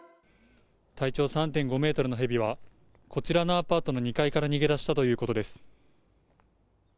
体長３．５メートルのヘビは、こちらのアパートの２階から逃げ出したということです。